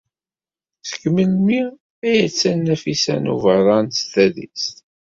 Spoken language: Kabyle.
Seg melmi ay attan Nafisa n Ubeṛṛan s tadist?